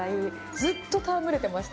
ずっとたわむれてました。